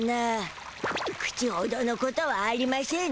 口ほどのことはありましぇんでしたな。